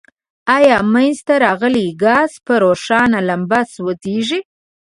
آیا منځ ته راغلی ګاز په روښانه لمبه سوځیږي؟